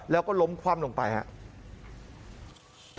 แล้วก็ล้มคว่ำลงไปครับ